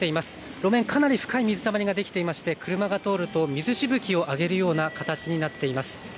路面かなり深い水たまりができていまして車が通ると水しぶきを上げるような形になっています。